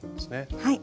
はい。